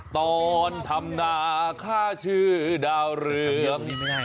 ตอนทำนาค่าชื่อดาวเรือง